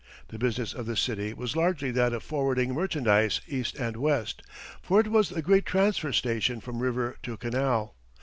The business of the city was largely that of forwarding merchandise East and West, for it was the great transfer station from river to canal.